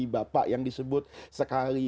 bapak yang disebut sekali